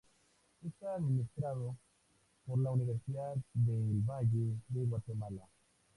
Está administrado por la Universidad del Valle de Guatemala.